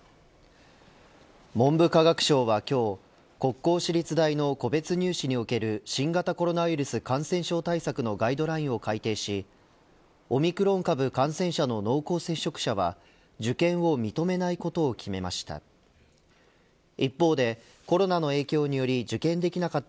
文部科学省は今日国公私立大の個別入試における新型コロナウイルス感染症対策のガイドラインを改定しオミクロン株感染者の濃厚接触者は受験を認めないことを決めました。